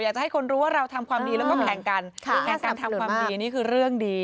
จะให้คนรู้ว่าเราทำความดีแล้วก็แข่งกันแข่งการทำความดีนี่คือเรื่องดี